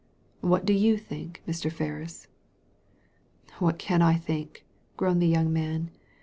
What do you think, Mr. Ferris ?" "What can I think?" groaned the young man.